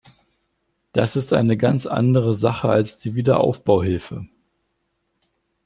Das ist eine ganz andere Sache als die Wiederaufbauhilfe.